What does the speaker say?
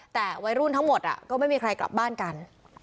แต่วัยรุ่นทั้งหมดก็ไม่มีใครกลับบ้านกัน